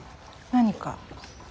何か？